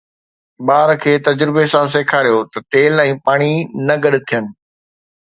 ٻار کي تجربي سان سيکاريو ته تيل ۽ پاڻي نه گڏ ٿين